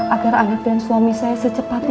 agar alif dan suami saya secepatnya